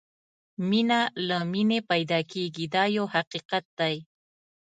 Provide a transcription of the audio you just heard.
مینه له مینې پیدا کېږي دا یو حقیقت دی.